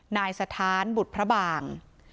นายสถานบุตรพระบาง